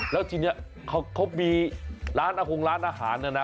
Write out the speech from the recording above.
แล้วทีนี้เขามีร้านอาคงร้านอาหารนะนะ